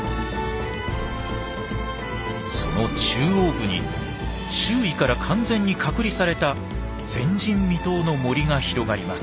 その中央部に周囲から完全に隔離された前人未踏の森が広がります。